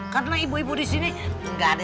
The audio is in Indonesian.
karena ibu ibu di sini